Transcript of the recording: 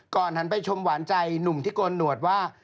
หันไปชมหวานใจหนุ่มที่โกนหนวดว่า